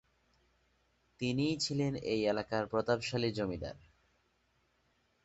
তিনিই ছিলেন এই এলাকার প্রতাপশালী জমিদার।